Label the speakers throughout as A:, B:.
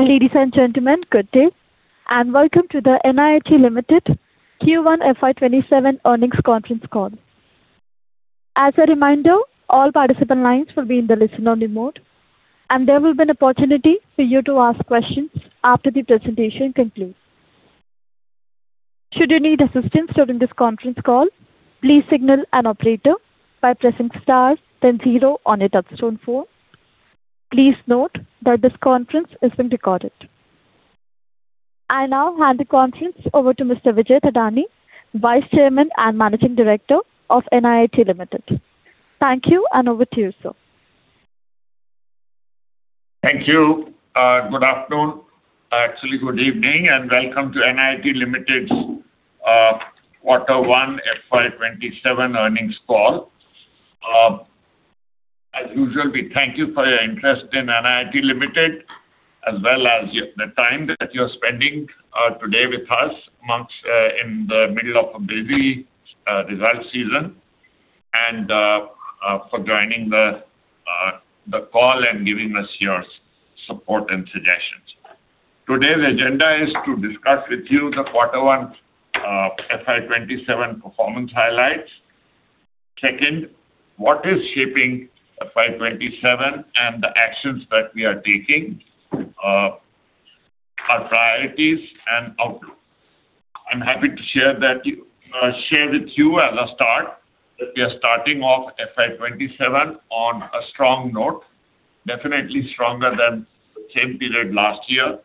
A: Ladies and gentlemen, good day, and welcome to the NIIT Limited Q1 FY 2027 earnings conference call. As a reminder, all participant lines will be in the listen-only mode, and there will be an opportunity for you to ask questions after the presentation concludes. Should you need assistance during this conference call, please signal an operator by pressing star then zero on your touch-tone phone. Please note that this conference is being recorded. I now hand the conference over to Mr. Vijay Thadani, Vice Chairman and Managing Director of NIIT Limited. Thank you, and over to you, sir.
B: Thank you. Good afternoon. Actually, good evening, and welcome to NIIT Limited's quarter one FY 2027 earnings call. As usual, we thank you for your interest in NIIT Limited as well as the time that you're spending today with us amongst, in the middle of a busy result season and for joining the call and giving us your support and suggestions. Today's agenda is to discuss with you the quarter one FY 2027 performance highlights. Second, what is shaping FY 2027 and the actions that we are taking, our priorities, and outlook. I'm happy to share with you as a start that we are starting off FY 2027 on a strong note, definitely stronger than the same period last year,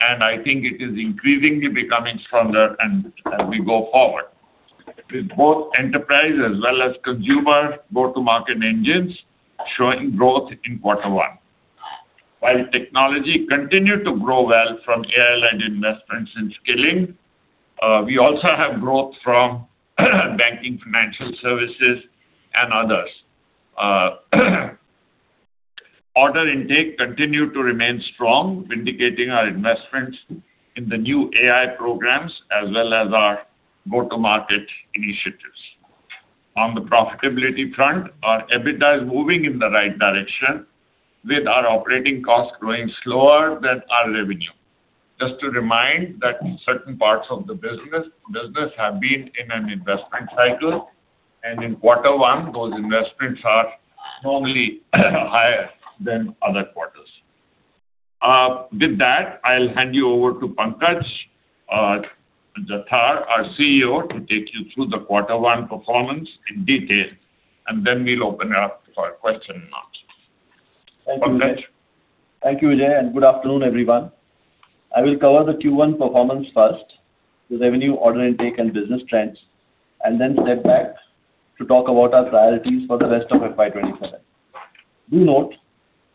B: and I think it is increasingly becoming stronger as we go forward, with both enterprise as well as consumer go-to-market engines showing growth in quarter one. While technology continued to grow well from AI-led investments in skilling, we also have growth from banking, financial services, and others. Order intake continued to remain strong, vindicating our investments in the new AI programs as well as our go-to-market initiatives. On the profitability front, our EBITDA is moving in the right direction with our operating costs growing slower than our revenue. Just to remind that certain parts of the business have been in an investment cycle, and in quarter one, those investments are normally higher than other quarters. With that, I'll hand you over to Pankaj Jathar, our CEO, to take you through the quarter one performance in detail, and then we'll open it up for question and answer. Pankaj.
C: Thank you, Vijay, and good afternoon, everyone. I will cover the Q1 performance first, the revenue order intake and business trends, and then step back to talk about our priorities for the rest of FY 2027. Note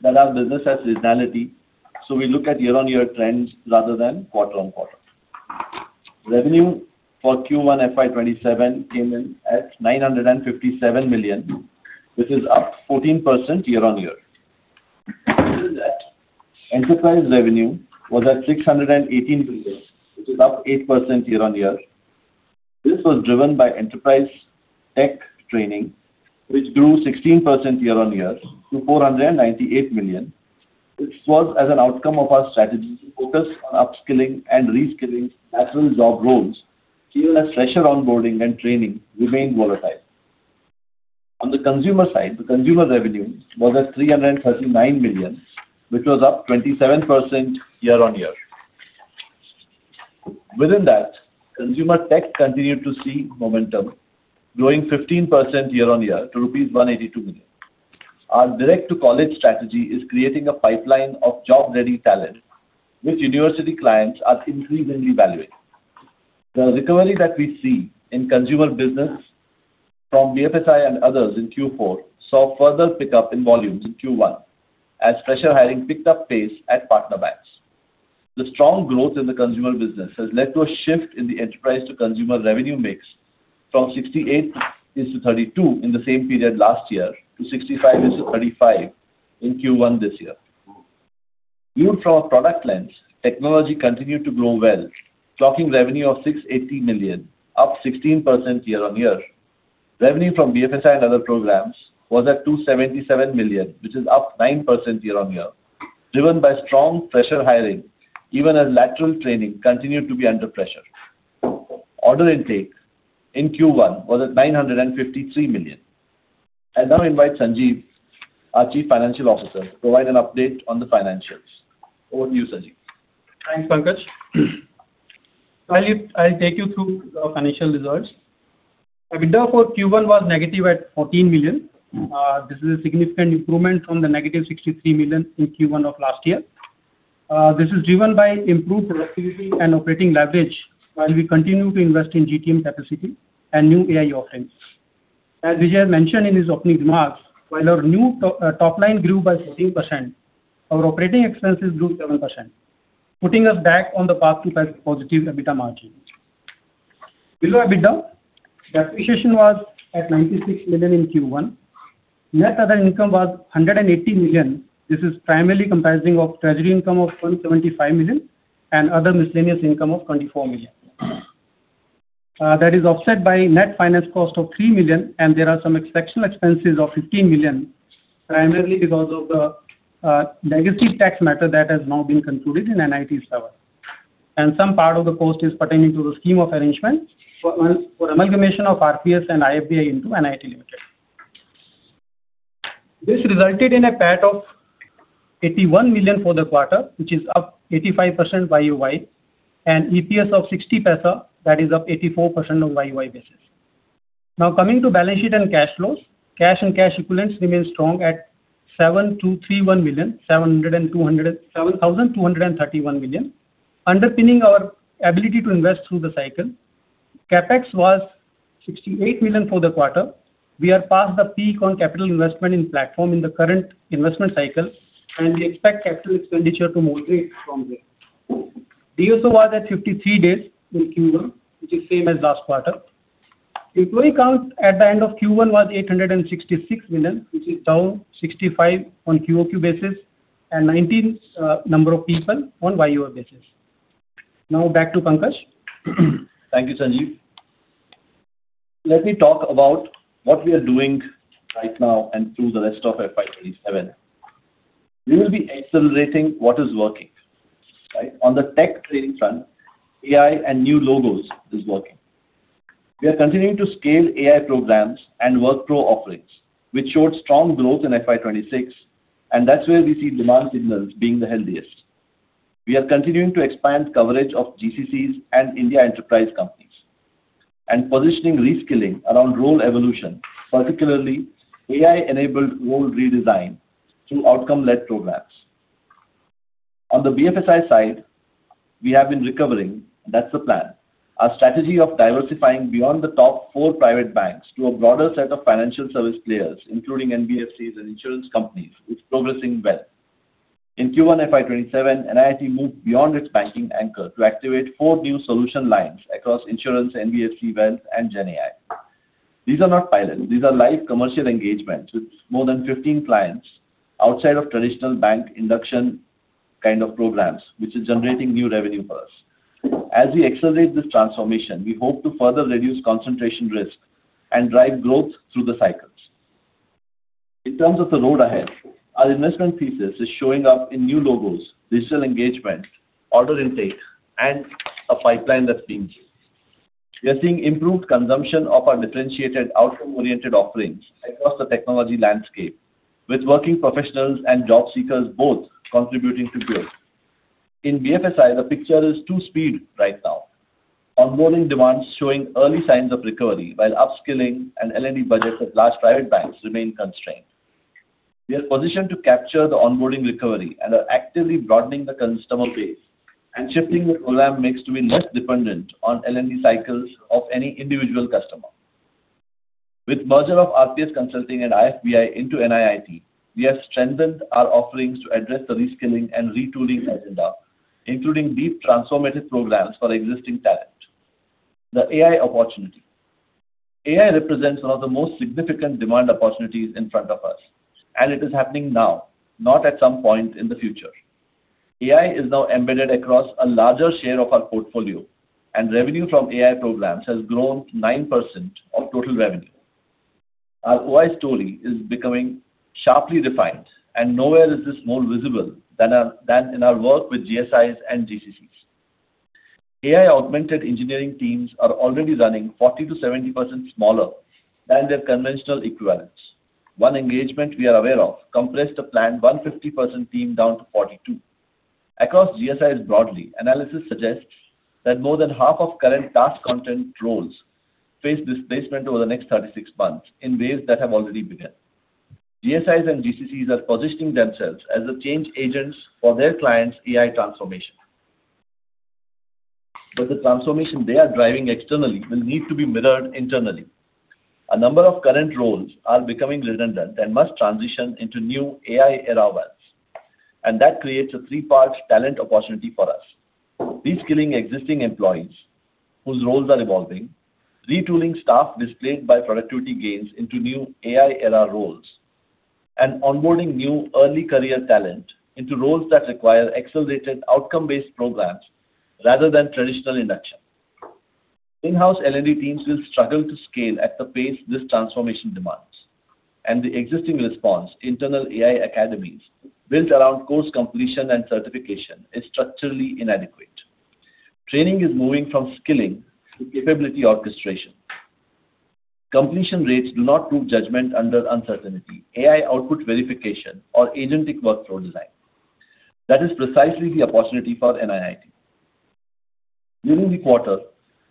C: that our business has seasonality, so we look at year-on-year trends rather than quarter-on-quarter. Revenue for Q1 FY 2027 came in at 957 million, which is up 14% year-on-year. Within that, enterprise revenue was at 618 million, which is up 8% year-on-year. This was driven by Enterprise Tech training, which grew 16% year-on-year to 498 million, which was as an outcome of our strategy to focus on upskilling and reskilling lateral job roles even as fresher onboarding and training remained volatile. On the consumer side, the consumer revenue was at 339 million, which was up 27% year-on-year. Within that, consumer tech continued to see momentum, growing 15% year-on-year to rupees 182 million. Our direct-to-college strategy is creating a pipeline of job-ready talent, which university clients are increasingly valuing. The recovery that we see in consumer business from BFSI and others in Q4 saw further pickup in volumes in Q1 as fresher hiring picked up pace at partner banks. The strong growth in the consumer business has led to a shift in the enterprise-to-consumer revenue mix from 68:32 in the same period last year to 65:35 in Q1 this year. Viewed from a product lens, technology continued to grow well, clocking revenue of 680 million, up 16% year-on-year. Revenue from BFSI and other programs was at 277 million, which is up 9% year-on-year, driven by strong fresher hiring, even as lateral training continued to be under pressure. Order intake in Q1 was at 953 million. I now invite Sanjeev, our Chief Financial Officer, to provide an update on the financials. Over to you, Sanjeev.
D: Thanks, Pankaj. While I take you through our financial results. EBITDA for Q1 was negative at 14 million. This is a significant improvement from the -63 million in Q1 of last year. This is driven by improved productivity and operating leverage while we continue to invest in GTM capacity and new AI offerings. As Vijay mentioned in his opening remarks, while our new top line grew by 16%, our operating expenses grew 7%, putting us back on the path to positive EBITDA margin. Below EBITDA, depreciation was at 96 million in Q1. Net other income was 180 million. This is primarily comprising of treasury income of 125 million and other miscellaneous income of 24 million. That is offset by net finance cost of 3 million, and there are some exceptional expenses of 15 million, primarily because of the legacy tax matter that has now been concluded in NIIT's favor. Some part of the cost is pertaining to the scheme of arrangement for amalgamation of RPS and IFBI into NIIT Limited. This resulted in a PAT of 81 million for the quarter, which is up 85% YoY, and EPS of 0.60, that is up 84% on YoY basis. Coming to balance sheet and cash flows. Cash and cash equivalents remain strong at 7,231 million, underpinning our ability to invest through the cycle. CapEx was 68 million for the quarter. We are past the peak on capital investment in platform in the current investment cycle, and we expect capital expenditure to moderate from here. DSO was at 53 days in Q1, which is same as last quarter. Employee count at the end of Q1 was 866, which is down 65 on QoQ basis, and 19 number of people on YoY basis. Now, back to Pankaj.
C: Thank you, Sanjeev. Let me talk about what we are doing right now and through the rest of FY 2027. We will be accelerating what is working. On the tech training front, AI and new logos is working. We are continuing to scale AI programs and workflow offerings, which showed strong growth in FY 2026, and that's where we see demand signals being the healthiest. We are continuing to expand coverage of GCCs and India enterprise companies and positioning reskilling around role evolution, particularly AI-enabled role redesign through outcome-led programs. On the BFSI side, we have been recovering. That's the plan. Our strategy of diversifying beyond the top four private banks to a broader set of financial service players, including NBFCs and insurance companies, is progressing well. In Q1 FY 2027, NIIT moved beyond its banking anchor to activate four new solution lines across insurance, NBFC, wealth, and GenAI. These are not pilots. These are live commercial engagements with more than 15 clients outside of traditional bank induction kind of programs, which is generating new revenue for us. As we accelerate this transformation, we hope to further reduce concentration risk and drive growth through the cycles. In terms of the road ahead, our investment thesis is showing up in new logos, digital engagement, order intake, and a pipeline that's being chased. We are seeing improved consumption of our differentiated outcome-oriented offerings across the technology landscape, with working professionals and job seekers both contributing to growth. In BFSI, the picture is two-speed right now. Onboarding demands showing early signs of recovery while upskilling and L&D budgets at large private banks remain constrained. We are positioned to capture the onboarding recovery and are actively broadening the customer base and shifting the program mix to be less dependent on L&D cycles of any individual customer. With merger of RPS Consulting and IFBI into NIIT, we have strengthened our offerings to address the reskilling and retooling agenda, including deep transformative programs for existing talent. The AI opportunity. AI represents one of the most significant demand opportunities in front of us, and it is happening now, not at some point in the future. AI is now embedded across a larger share of our portfolio, and revenue from AI programs has grown 9% of total revenue. Our AI story is becoming sharply defined, and nowhere is this more visible than in our work with GSIs and GCCs. AI-augmented engineering teams are already running 40%-70% smaller than their conventional equivalents. One engagement we are aware of compressed a planned 150-person team down to 42. Across GSIs broadly, analysis suggests that more than half of current task content roles face displacement over the next 36 months in ways that have already begun. GSIs and GCCs are positioning themselves as the change agents for their clients' AI transformation. The transformation they are driving externally will need to be mirrored internally. A number of current roles are becoming redundant and must transition into new AI-era ones, and that creates a three-part talent opportunity for us. Reskilling existing employees whose roles are evolving, retooling staff displaced by productivity gains into new AI-era roles, and onboarding new early career talent into roles that require accelerated outcome-based programs rather than traditional induction. In-house L&D teams will struggle to scale at the pace this transformation demands, and the existing response, internal AI academies built around course completion and certification, is structurally inadequate. Training is moving from skilling to capability orchestration. Completion rates do not prove judgment under uncertainty, AI output verification, or agentic workflow design. That is precisely the opportunity for NIIT. During the quarter,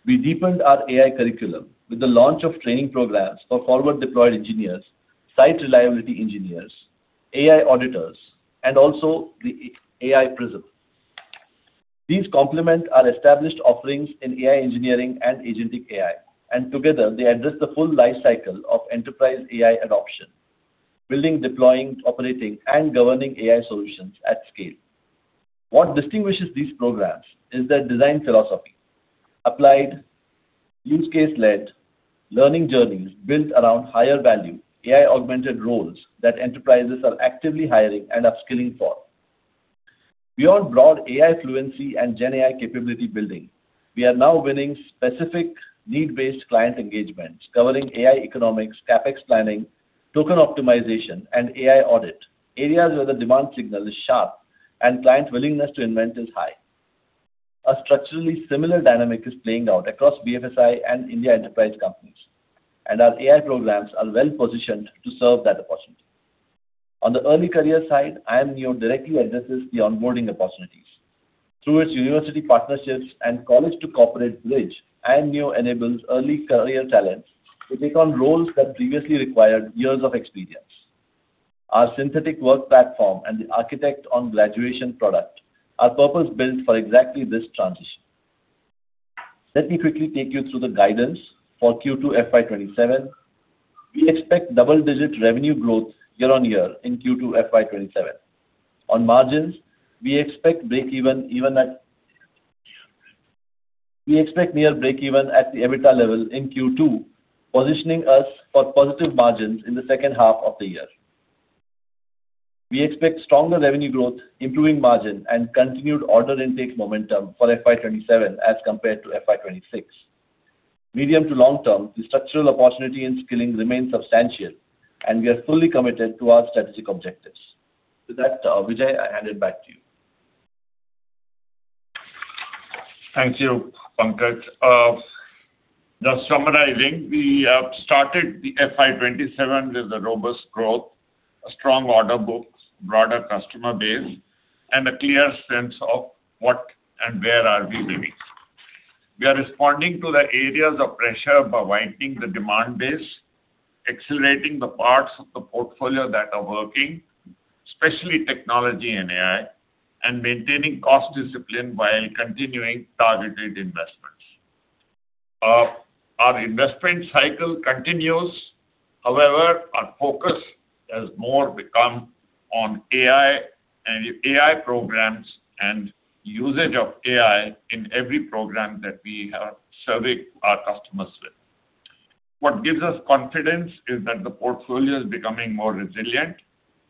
C: we deepened our AI curriculum with the launch of training programs for forward-deployed engineers, site reliability engineers, AI auditors, and also the AI Prism. These complement our established offerings in AI engineering and agentic AI, and together, they address the full life cycle of enterprise AI adoption, building, deploying, operating, and governing AI solutions at scale. What distinguishes these programs is their design philosophy. Applied use case-led learning journeys built around higher value AI-augmented roles that enterprises are actively hiring and upskilling for. Beyond broad AI fluency and GenAI capability building, we are now winning specific need-based client engagements covering AI economics, CapEx planning, token optimization, and AI audit, areas where the demand signal is sharp and client willingness to invest is high. A structurally similar dynamic is playing out across BFSI and India enterprise companies, and our AI programs are well-positioned to serve that opportunity. On the early career side, iamneo directly addresses the onboarding opportunities. Through its university partnerships and college to corporate bridge, iamneo enables early career talents to take on roles that previously required years of experience. Our Synthetic Work platform and the Architect on Graduation product are purpose-built for exactly this transition. Let me quickly take you through the guidance for Q2 FY 2027. We expect double-digit revenue growth year-on-year in Q2 FY 2027. On margins, we expect near breakeven at the EBITDA level in Q2, positioning us for positive margins in the second half of the year. We expect stronger revenue growth, improving margin, and continued order intake momentum for FY 2027 as compared to FY 2026. Medium to long term, the structural opportunity in skilling remains substantial, and we are fully committed to our strategic objectives. With that, Vijay, I hand it back to you.
B: Thank you, Pankaj. Just summarizing, we have started the FY 2027 with a robust growth, a strong order book, broader customer base, and a clear sense of what and where are we winning. We are responding to the areas of pressure by widening the demand base, accelerating the parts of the portfolio that are working, especially technology and AI, and maintaining cost discipline while continuing targeted investments. Our investment cycle continues, however, our focus has more become on AI and AI programs and usage of AI in every program that we are serving our customers with. What gives us confidence is that the portfolio is becoming more resilient,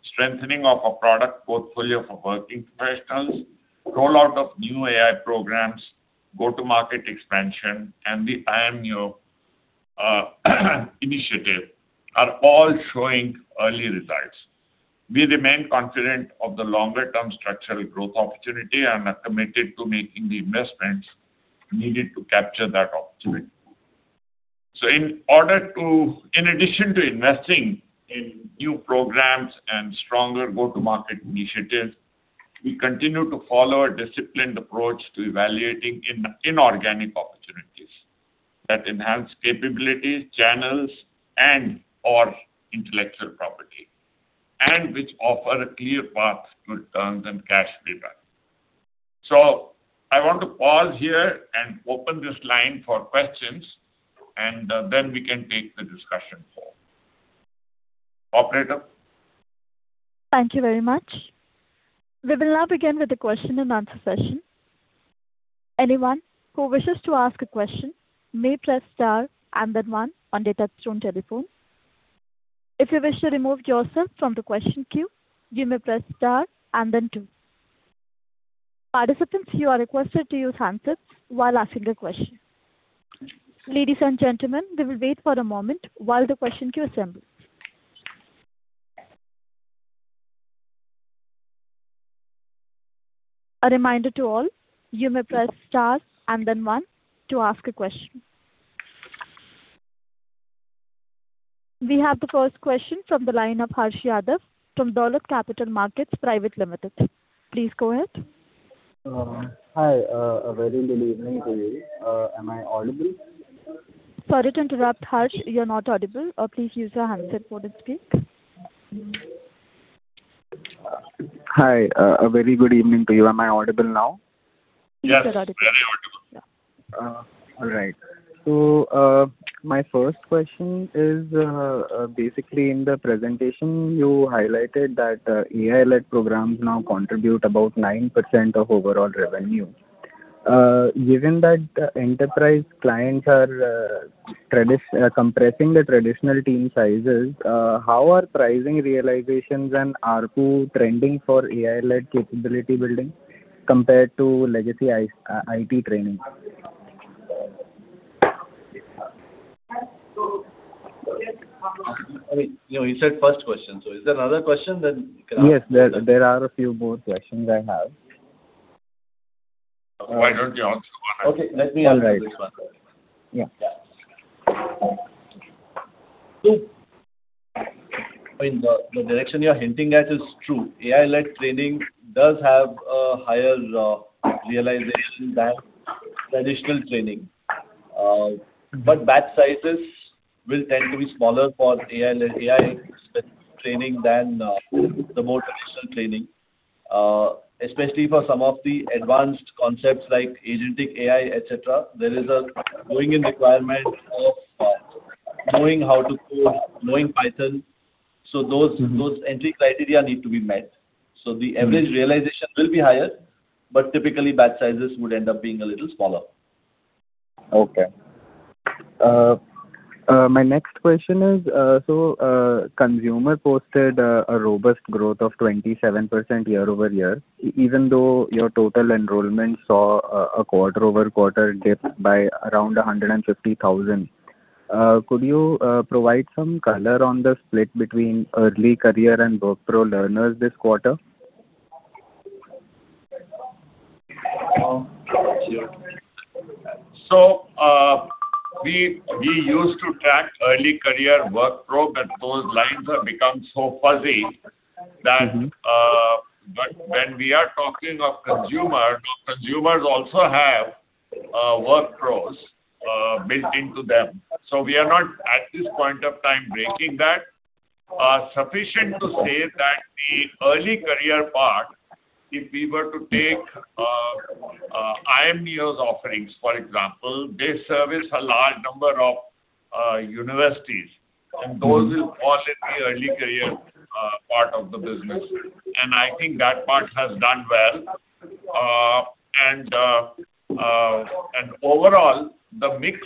B: strengthening of our product portfolio for working professionals, rollout of new AI programs, go-to-market expansion, and the iamneo initiative are all showing early results. We remain confident of the longer-term structural growth opportunity and are committed to making the investments needed to capture that opportunity. In addition to investing in new programs and stronger go-to-market initiatives, we continue to follow a disciplined approach to evaluating inorganic opportunities that enhance capabilities, channels, and/or intellectual property, and which offer a clear path to returns and cash return. I want to pause here and open this line for questions, and then we can take the discussion forward. Operator?
A: Thank you very much. We will now begin with the question-and-answer session. Anyone who wishes to ask a question may press star and then one on their touch-tone telephone. If you wish to remove yourself from the question queue, you may press star and then two. Participants, you are requested to use handsets while asking a question. Ladies and gentlemen, we will wait for a moment while the question queue assembles. A reminder to all, you may press star and then one to ask a question. We have the first question from the line of Harsh Yadav from Dolat Capital Market Private Limited. Please go ahead.
E: Hi. A very good evening to you. Am I audible?
A: Sorry to interrupt, Harsh. You're not audible. Please use your handset for the speak.
E: Hi. A very good evening to you. Am I audible now?
B: Yes.
A: You're audible.
B: Very audible.
A: Yeah.
E: All right. My first question is, basically, in the presentation, you highlighted that AI-led programs now contribute about 9% of overall revenue. Given that enterprise clients are compressing the traditional team sizes, how are pricing realizations and ARPU trending for AI-led capability building compared to legacy IT training?
C: You said first question. Is there another question? Then, you can ask.
E: Yes, there are a few more questions I have.
B: Why don't you answer one?
C: Okay, let me answer this one.
E: All right. Yeah.
C: The direction you're hinting at is true. AI-led training does have a higher realization than traditional training. But batch sizes will tend to be smaller for AI-led training than the more traditional training, especially for some of the advanced concepts like agentic AI, et cetera. There is a going-in requirement of knowing how to code, knowing Python, so those entry criteria need to be met. So, the average realization will be higher but typically batch sizes would end up being a little smaller.
E: Okay. My next question is, consumer posted a robust growth of 27% year-over-year, even though your total enrollment saw a quarter-over-quarter dip by around 150,000. Could you provide some color on the split between early career and work pro learners this quarter?
B: Sure. We used to track early career work pro, but those lines have become so fuzzy that when we are talking of consumer, consumers also have work pros built into them. So, we are not, at this point of time, breaking that. Sufficient to say that the early career part, if we were to take iamneo's offerings, for example, they service a large number of universities, and those will fall in the early career part of the business, and I think that part has done well. Overall, the mix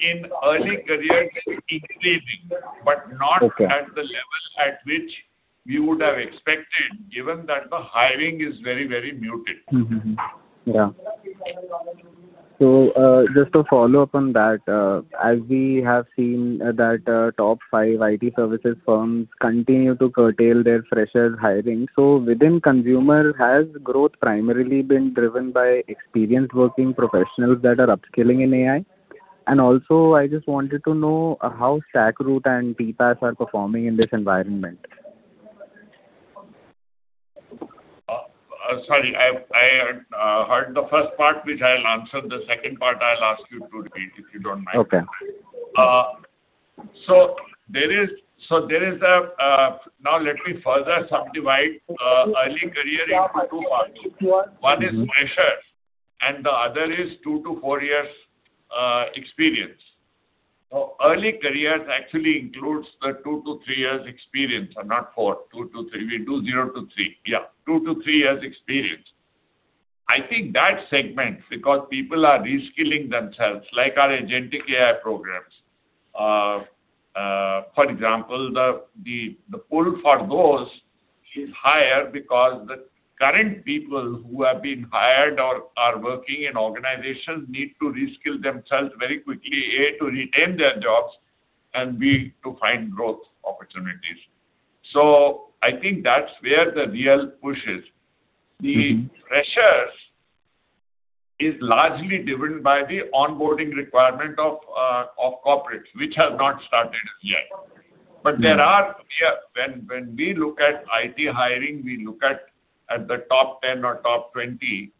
B: in early career is increasing, but not.
E: Okay.
B: At the level at which we would have expected, given that the hiring is very, very muted.
E: Yeah. Just to follow up on that, as we have seen that top five IT services firms continue to curtail their freshers hiring, so within consumer, has growth primarily been driven by experienced working professionals that are upskilling in AI? Also, I just wanted to know how StackRoute and TPaaS are performing in this environment.
B: Sorry, I heard the first part, which I'll answer. The second part I'll ask you to repeat, if you don't mind.
E: Okay.
B: Now, let me further subdivide early career into two parts. One is freshers and the other is two to four years experience. Early careers actually includes the two to three years experience, and not four. Two to three. We do zero to three. Yeah, two to three years experience. I think that segment, because people are reskilling themselves, like our agentic AI programs. For example, the pull for those is higher because the current people who have been hired or are working in organizations need to reskill themselves very quickly, A, to retain their jobs and B, to find growth opportunities. I think that's where the real push is. The freshers is largely driven by the onboarding requirement of corporate, which has not started yet. But then, when we look at IT hiring, we look at the top 10 or top 20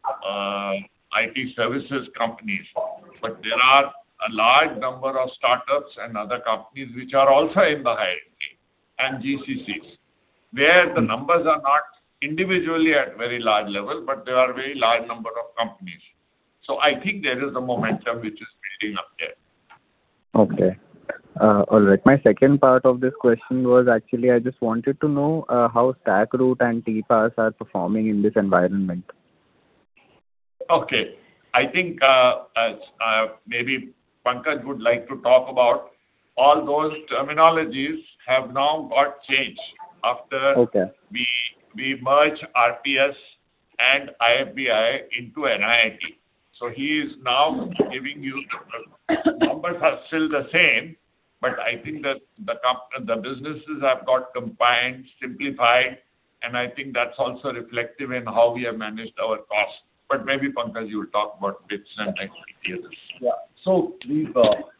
B: IT services companies, but there are a large number of startups and other companies which are also in the hiring game, and GCCs, where the numbers are not individually at very large level, but there are very large number of companies. So, I think there is a momentum which is building up there.
E: Okay. All right. My second part of this question was actually, I just wanted to know how StackRoute and TPaaS are performing in this environment.
B: Okay. I think, maybe Pankaj would like to talk about all those terminologies have now got changed.
E: Okay.
B: After we merged RPS and IFBI into NIIT. So, he is now giving you the numbers. Numbers are still the same, but I think that the businesses have got combined, simplified, and I think that's also reflective in how we have managed our costs. But maybe, Pankaj, you talk about bits and RPS.
C: Yeah. So, we've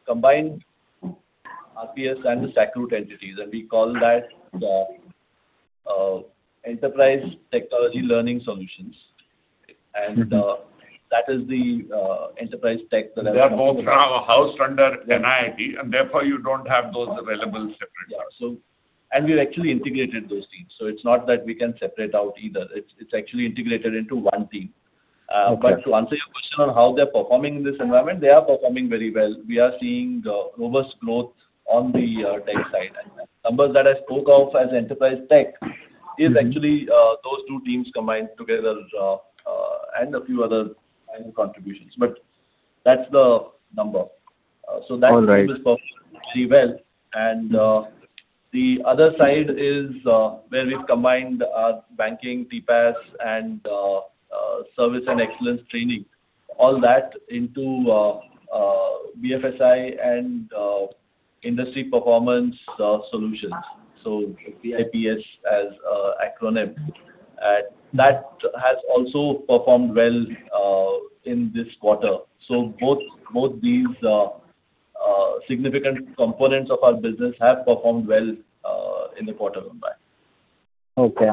C: combined RPS and the StackRoute entities, and we call that the Enterprise Technology Learning Solutions. That is the Enterprise Tech that I spoke about.
B: They are both now housed under NIIT, and therefore, you don't have those available separately.
C: Yeah. We've actually integrated those teams, so it's not that we can separate out either. It's actually integrated into one team.
E: Okay.
C: To answer your question on how they're performing in this environment, they are performing very well. We are seeing the robust growth on the tech side. The numbers that I spoke of as Enterprise Tech is actually those two teams combined together, and a few other tiny contributions. But that's the number.
E: All right.
C: So, the business performs actually well. The other side is where we've combined our banking, TPaaS, and service and excellence training, all that into BFSI and industry performance solutions, so IPS as acronym. That has also performed well in this quarter. So, both these significant components of our business have performed well in the quarter gone by.
E: Okay.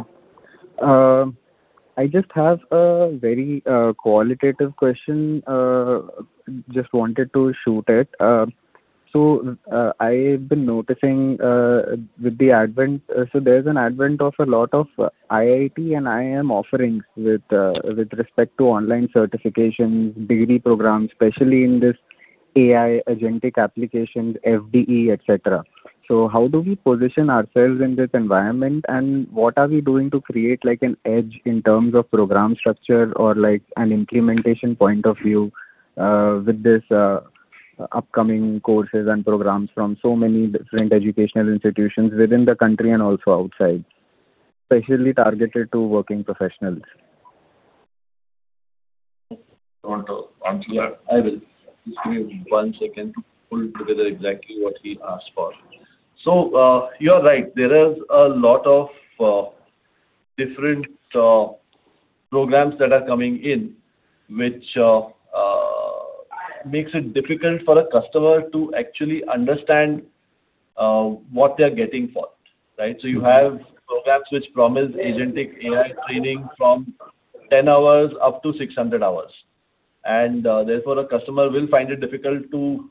E: I just have a very qualitative question. Just wanted to shoot it. I've been noticing with the advent of a lot of IIT and IIM offerings with respect to online certifications, degree programs, especially in this AI agentic applications, FDE, et cetera, so how do we position ourselves in this environment, and what are we doing to create like an edge in terms of program structure or an implementation point of view with these upcoming courses and programs from so many different educational institutions within the country and also outside, especially targeted to working professionals?
B: You want to answer that?
C: Yeah. I will. Just give me one second to pull together exactly what he asked for. So, you are right, there is a lot of different programs that are coming in, which makes it difficult for a customer to actually understand what they're getting for, right? You have programs which promise agentic AI training from 10 hours up to 600 hours, and therefore, a customer will find it difficult to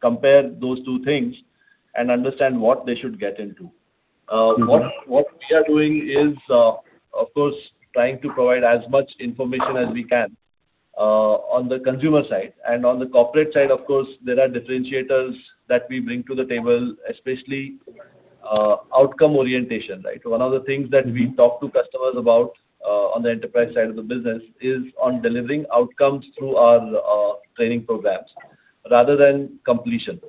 C: compare those two things and understand what they should get into. What we are doing is, of course, trying to provide as much information as we can on the consumer side. On the corporate side, of course, there are differentiators that we bring to the table, especially outcome orientation, right? One of the things that we talk to customers about on the enterprise side of the business is on delivering outcomes through our training programs rather than completion,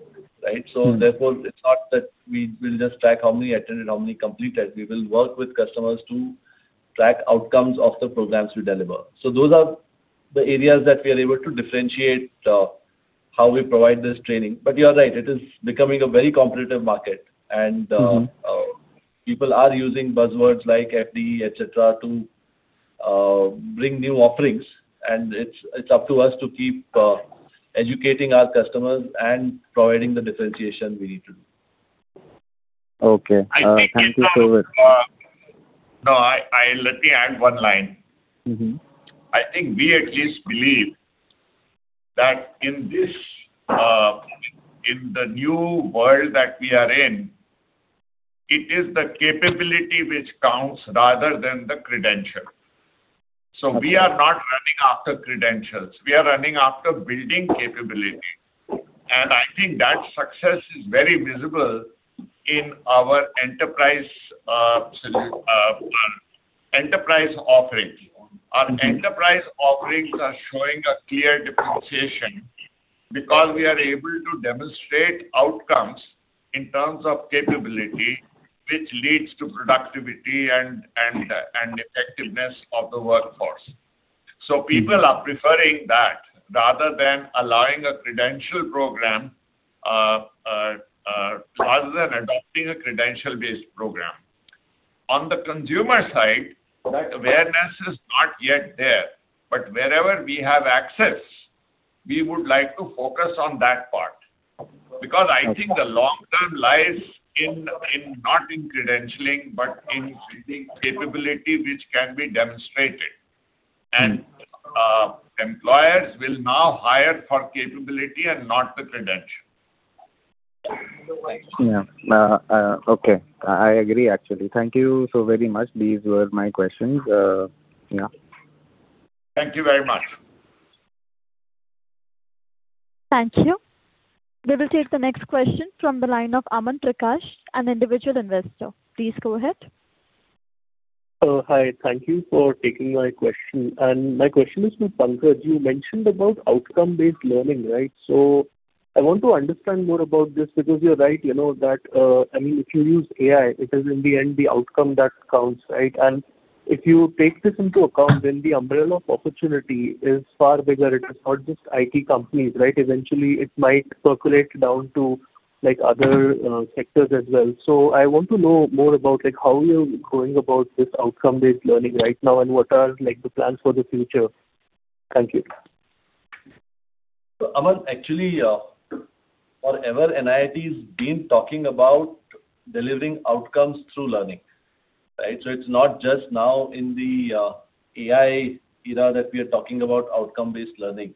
C: right? Therefore, it's not that we will just track how many attended, how many completed. We will work with customers to track outcomes of the programs we deliver. Those are the areas that we are able to differentiate how we provide this training. But you are right, it is becoming a very competitive market, and people are using buzzwords like FDE, et cetera, to bring new offerings, and it's up to us to keep educating our customers and providing the differentiation we need to.
E: Okay. Thank you.
B: Let me add one line. I think we at least believe that in the new world that we are in, it is the capability which counts rather than the credential. We are not running after credentials. We are running after building capability, and I think that success is very visible in our enterprise offering. Our enterprise offerings are showing a clear differentiation because we are able to demonstrate outcomes in terms of capability, which leads to productivity and effectiveness of the workforce. So, people are preferring that rather than allowing a credential program, rather than adopting a credential-based program. On the consumer side, that awareness is not yet there. But wherever we have access, we would like to focus on that part, because I think the long term lies not in credentialing, but in building capability, which can be demonstrated. And employers will now hire for capability and not the credential.
E: Yeah. Okay. I agree, actually. Thank you so very much. These were my questions. Yeah.
B: Thank you very much.
A: Thank you. We will take the next question from the line of Aman Prakash, an individual investor. Please go ahead.
F: Hi. Thank you for taking my question. My question is to Pankaj. You mentioned about outcome-based learning, right? I want to understand more about this, because you're right, you know that, I mean, if you use AI, it is in the end, the outcome that counts, right? If you take this into account, then the umbrella of opportunity is far bigger. It is not just IT companies, right? Eventually, it might percolate down to like other sectors as well. So, I want to know more about how you're going about this outcome-based learning right now, and what are the plans for the future? Thank you.
C: Aman, actually, forever, NIIT's been talking about delivering outcomes through learning, right? It's not just now in the AI era that we are talking about outcome-based learning.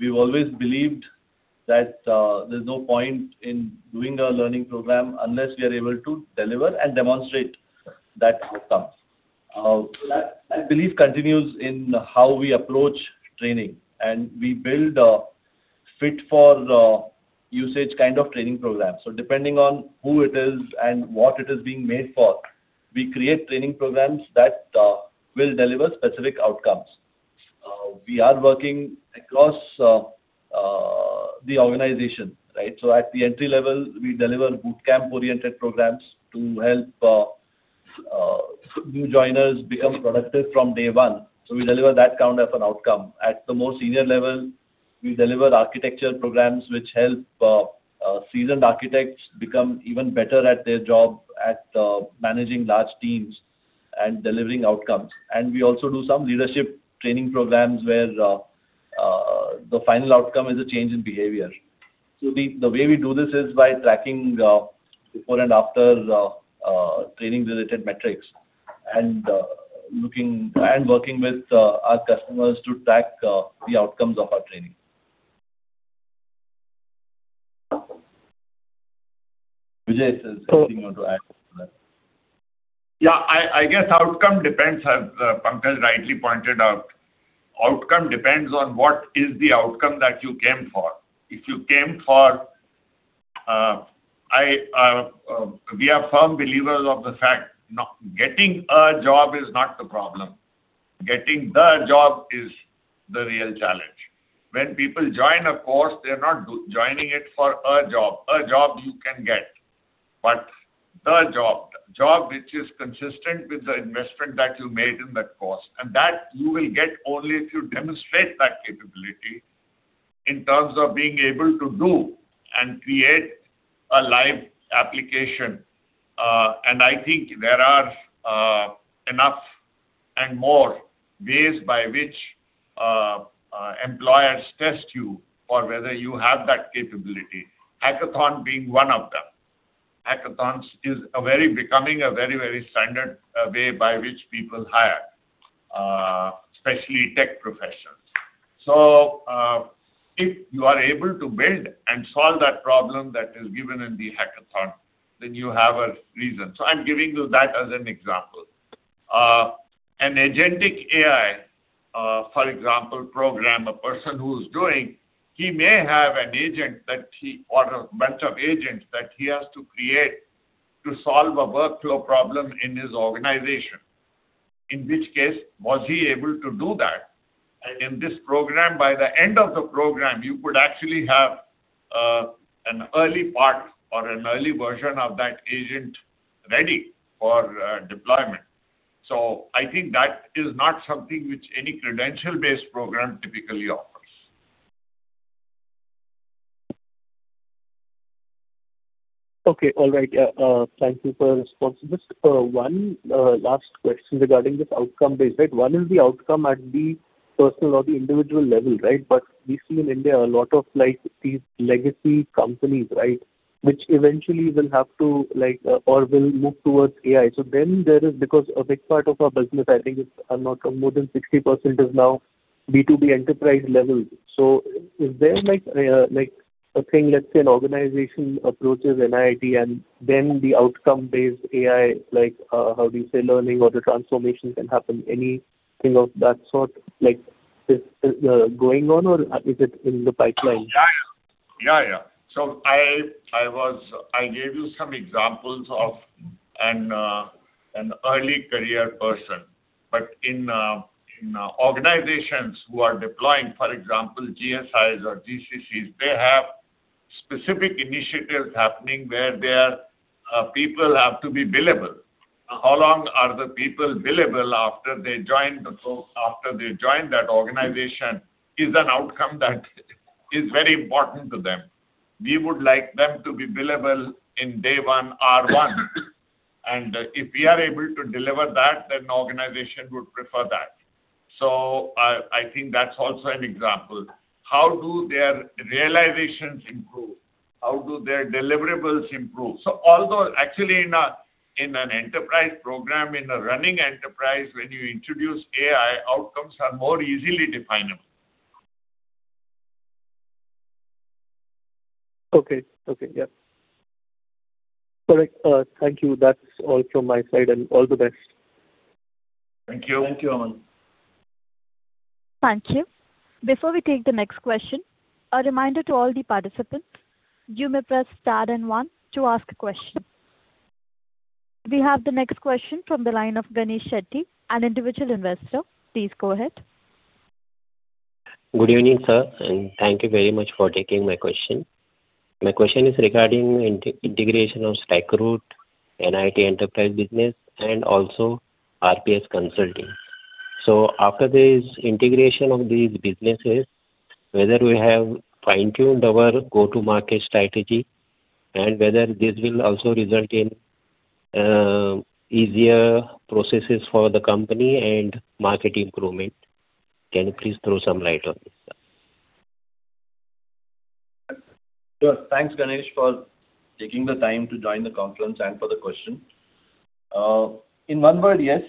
C: We've always believed that there's no point in doing a learning program unless we are able to deliver and demonstrate that outcome. That belief continues in how we approach training, and we build a fit-for-usage kind of training program. So, depending on who it is and what it is being made for, we create training programs that will deliver specific outcomes. We are working across the organization, right? At the entry level, we deliver boot camp-oriented programs to help new joiners become productive from day one. We deliver that count as an outcome. At the more senior level, we deliver architecture programs which help seasoned architects become even better at their job, at managing large teams and delivering outcomes. We also do some leadership training programs where the final outcome is a change in behavior. The way we do this is by tracking before and after training-related metrics and working with our customers to track the outcomes of our training. Vijay, is there something you want to add?
B: I guess outcome depends, as Pankaj rightly pointed out, outcome depends on what is the outcome that you came for. We are firm believers of the fact that getting a job is not the problem. Getting the job is the real challenge. When people join a course, they're not joining it for a job. A job you can get, but the job which is consistent with the investment that you made in that course, and that, you will get only if you demonstrate that capability in terms of being able to do and create a live application. I think there are enough and more ways by which employers test you for whether you have that capability, hackathon being one of them. Hackathons is becoming a very, very standard way by which people hire, especially tech professionals. So, if you are able to build and solve that problem that is given in the hackathon, then you have a reason. I'm giving you that as an example. An agentic AI, for example, program, a person who's doing, he may have an agent or a bunch of agents that he has to create to solve a workflow problem in his organization. In which case, was he able to do that? In this program, by the end of the program, you could actually have an early part or an early version of that agent ready for deployment. I think that is not something which any credential-based program typically offers.
F: Okay. All right. Thank you for the response. Just one last question regarding this outcome-based, right? One is the outcome at the personal or the individual level, right? But we see in India a lot of these legacy companies, right, which eventually will have to or will move towards AI. So then, there is, because a big part of our business, I think it's more than 60% is now B2B enterprise level, so is there a thing, let's say, an organization approaches NIIT and then the outcome-based AI, like, how do you say, learning or the transformation can happen, anything of that sort, like, is going on or is it in the pipeline?
B: I gave you some examples of an early career person, but in organizations who are deploying, for example, GSIs or GCCs, they have specific initiatives happening where their people have to be billable. How long are the people billable after they join that organization is an outcome that is very important to them. We would like them to be billable in day one, R1. If we are able to deliver that, then the organization would prefer that. I think that's also an example. How do their realizations improve? How do their deliverables improve? Although, actually in an enterprise program, in a running enterprise, when you introduce AI, outcomes are more easily definable.
F: Okay. Yeah. Correct. Thank you. That's all from my side, and all the best.
B: Thank you.
C: Thank you, Aman.
A: Thank you. Before we take the next question, a reminder to all the participants, you may press star and one to ask a question. We have the next question from the line of Ganesh Shetty, an individual investor. Please go ahead.
G: Good evening, sir, and thank you very much for taking my question. My question is regarding integration of StackRoute, NIIT enterprise business, and also, RPS Consulting. After this integration of these businesses, whether we have fine-tuned our go-to market strategy and whether this will also result in easier processes for the company and market improvement, can you please throw some light on this, sir?
C: Sure. Thanks, Ganesh, for taking the time to join the conference and for the question. In one word, yes.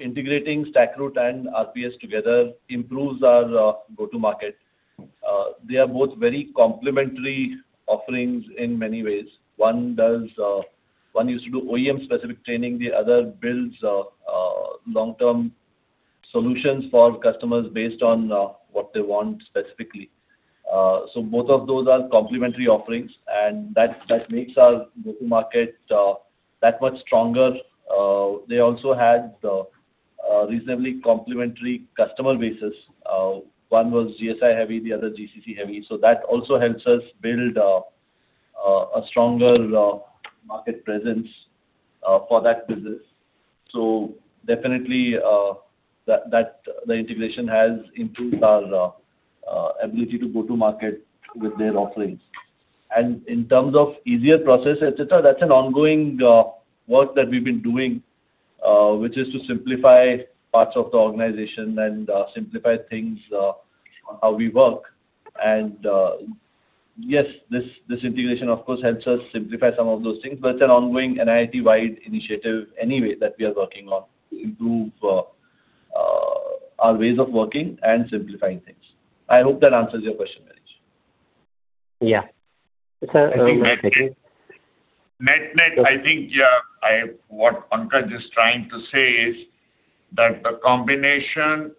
C: Integrating StackRoute and RPS together improves our go-to market. They are both very complementary offerings in many ways. One used to do OEM-specific training, the other builds long-term solutions for customers based on what they want specifically. Both of those are complementary offerings, and that makes our go-to market that much stronger. They also had a reasonably complementary customer basis. One was GSI heavy, the other GCC heavy. That also helps us build a stronger market presence for that business. Definitely, the integration has improved our ability to go to market with their offerings. In terms of easier process, et cetera, that's an ongoing work that we've been doing, which is to simplify parts of the organization and simplify things on how we work. Yes, this integration of course helps us simplify some of those things, but it's an ongoing NIIT-wide initiative anyway that we are working on to improve our ways of working and simplifying things. I hope that answers your question.
G: Yeah.
B: Net-net, I think, yeah, what Pankaj is trying to say is that the combination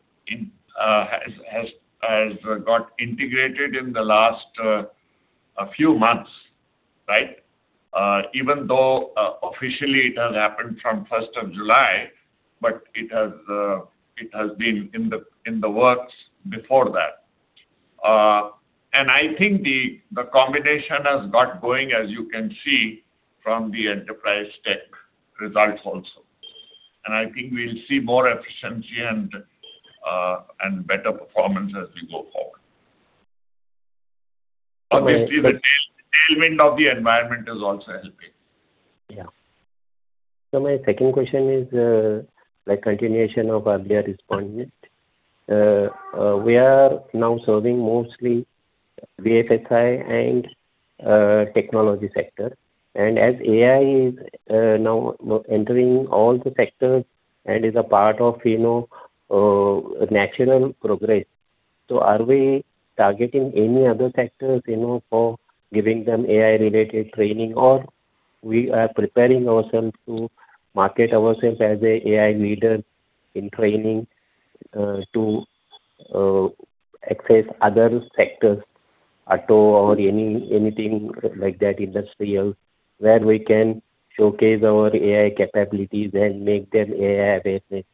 B: has got integrated in the last few months, right? Even though, officially, it has happened from 1st of July, but it has been in the works before that. I think the combination has got going, as you can see from the Enterprise Tech results also, and I think we'll see more efficiency and better performance as we go forward. Obviously, the tailwind of the environment is also helping.
G: Yeah. My second question is a continuation of earlier respondent. We are now serving mostly BFSI and technology sector, and as AI is now entering all the sectors and is a part of national progress, are we targeting any other sectors for giving them AI-related training, or we are preparing ourselves to market ourselves as an AI leader in training to access other sectors, auto or anything like that, industrial, where we can showcase our AI capabilities and make them AI-based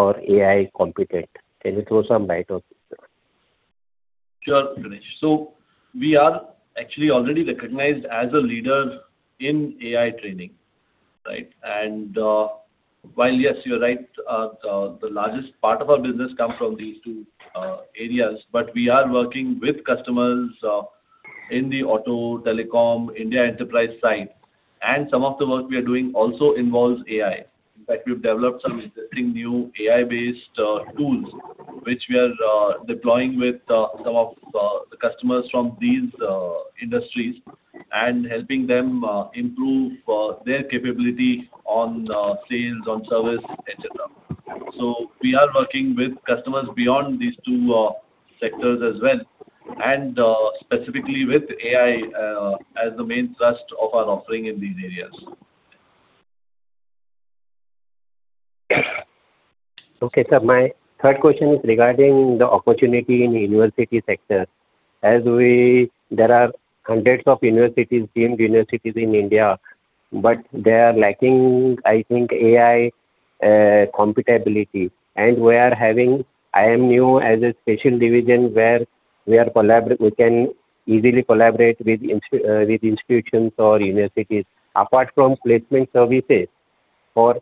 G: or AI competent? Can you throw some light on this, sir?
C: Sure, Ganesh. We are actually already recognized as a leader in AI training. While, yes, you're right, the largest part of our business comes from these two areas, but we are working with customers in the auto, telecom, India enterprise side, and some of the work we are doing also involves AI. In fact, we've developed some interesting new AI-based tools, which we are deploying with some of the customers from these industries and helping them improve their capability on sales, on service, et cetera. We are working with customers beyond these two sectors as well, and specifically with AI as the main thrust of our offering in these areas.
G: Okay, sir. My third question is regarding the opportunity in university sector. There are hundreds of universities, deemed universities in India, but they are lacking, I think, AI compatibility. We are having iamneo as a special division where we can easily collaborate with institutions or universities, apart from placement services for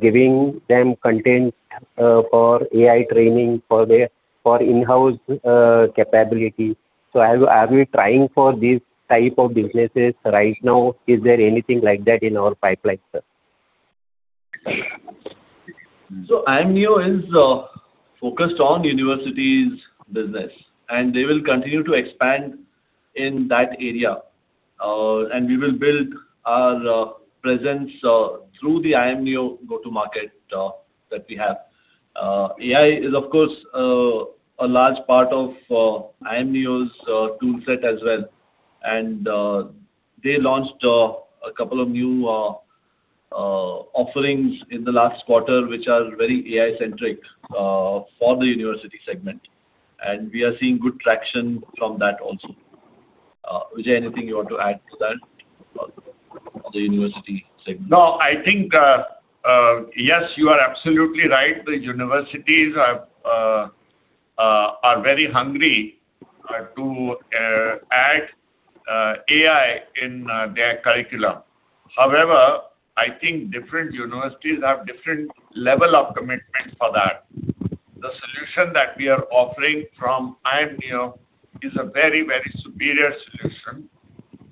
G: giving them content for AI training for in-house capability. Are we trying for these types of businesses right now? Is there anything like that in our pipeline, sir?
C: Iamneo is focused on universities business, and they will continue to expand in that area, and we will build our presence through the iamneo go-to-market that we have. AI is, of course, a large part of iamneo's tool set as well. They launched a couple of new offerings in the last quarter, which are very AI-centric for the university segment, and we are seeing good traction from that also. Vijay, anything you want to add to that for the university segment?
B: No, I think, yes, you are absolutely right. The universities are very hungry to add AI in their curriculum. However, I think different universities have different level of commitment for that. The solution that we are offering from iamneo is a very, very superior solution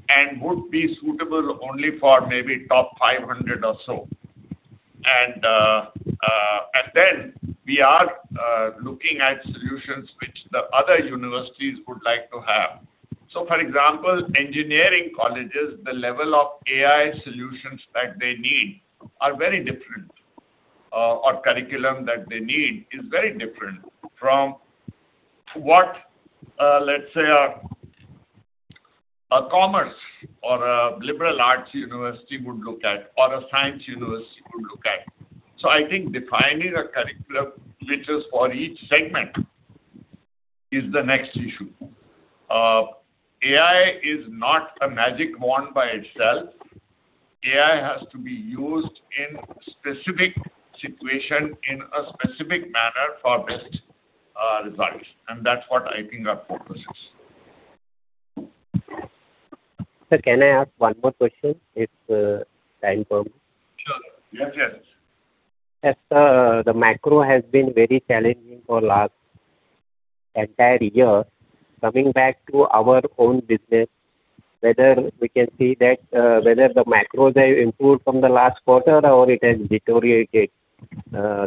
B: and would be suitable only for maybe top 500 or so. Then, we are looking at solutions which the other universities would like to have. For example, engineering colleges, the level of AI solutions that they need are very different, or curriculum that they need is very different from what, let's say, a commerce or a liberal arts university would look at, or a science university would look at. I think defining a curriculum which is for each segment is the next issue. AI is not a magic wand by itself. AI has to be used in specific situation, in a specific manner for best results, and that's what I think our focus is.
G: Sir, can I ask one more question, if time permits?
B: Sure. Yes, Ganesh.
G: The macro has been very challenging for last entire year, coming back to our own business, whether we can see that whether the macros have improved from the last quarter or it has deteriorated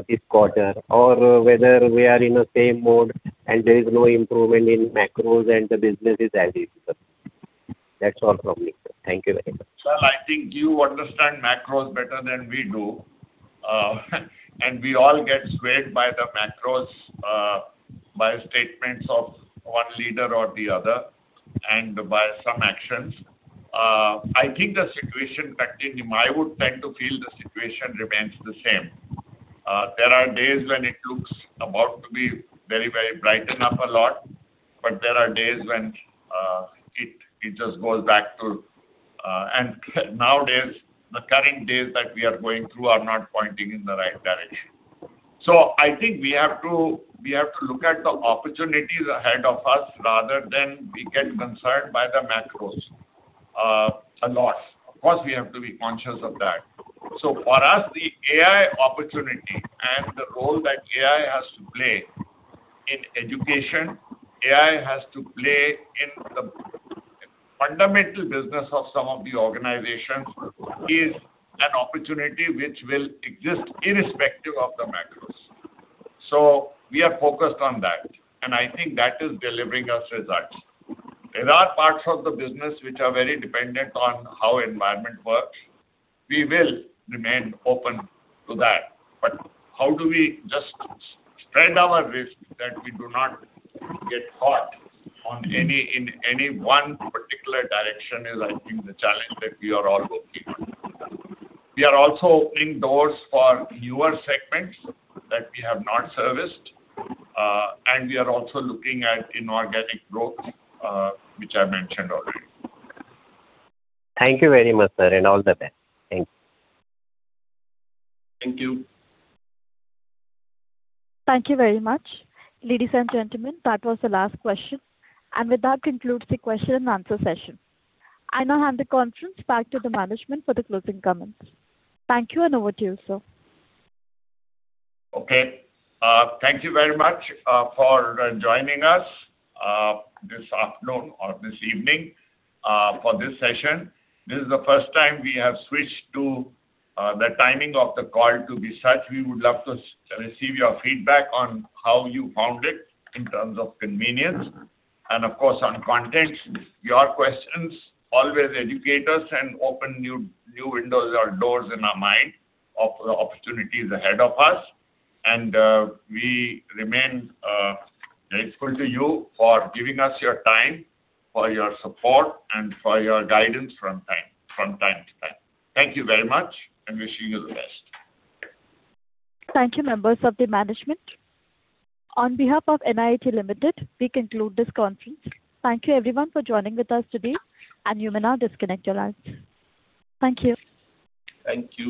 G: this quarter, or whether we are in a same mode and there is no improvement in macros and the business is as is, sir? That's all from me, sir. Thank you very much.
B: Sir, I think you understand macros better than we do. We all get swayed by the macros, by statements of one leader or the other, and by some actions. I think the situation, in fact, I would tend to feel the situation remains the same. There are days when it looks about to be very, very brighten up a lot, but there are days when it just goes back to, and nowadays, the current days that we are going through are not pointing in the right direction. I think we have to look at the opportunities ahead of us rather than we get concerned by the macros a lot. Of course, we have to be conscious of that. For us, the AI opportunity and the role that AI has to play in education, AI has to play in the fundamental business of some of the organizations, is an opportunity which will exist irrespective of the macros. We are focused on that, and I think that is delivering us results. There are parts of the business which are very dependent on how environment works. We will remain open to that. How do we just spread our risk that we do not get caught in any one particular direction is, I think, the challenge that we are all working on. We are also opening doors for newer segments that we have not serviced, and we are also looking at inorganic growth, which I mentioned already.
G: Thank you very much, sir, and all the best. Thank you.
B: Thank you.
A: Thank you very much. Ladies and gentlemen, that was the last question, and with that, concludes the question-and-answer session. I now hand the conference back to the management for the closing comments. Thank you, and over to you, sir.
B: Okay. Thank you very much for joining us this afternoon or this evening for this session. This is the first time we have switched to the timing of the call to be such. We would love to receive your feedback on how you found it in terms of convenience and, of course, on content. Your questions always educate us and open new windows or doors in our mind of the opportunities ahead of us. We remain grateful to you for giving us your time, for your support, and for your guidance from time to time. Thank you very much and wishing you the best.
A: Thank you, members of the management. On behalf of NIIT Limited, we conclude this conference. Thank you everyone for joining with us today, and you may now disconnect your lines. Thank you.
B: Thank you.